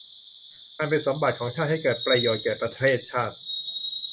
อันเป็นสมบัติของชาติให้เกิดประโยชน์แก่ประเทศชาติ